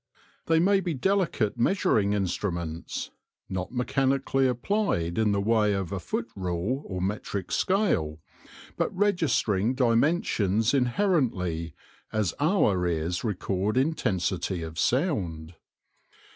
They may be delicate measuring instruments, not mechanically applied in the way of a foot rule or metric scale, but registering dimensions inherently, as our ears record intensity of sound.